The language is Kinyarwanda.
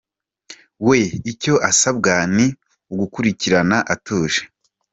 We icyo asabwa ni ugukurikirana atuje.